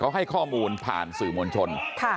เขาให้ข้อมูลผ่านสื่อมวลชน